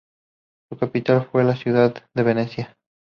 Su capital fue la ciudad de Venecia.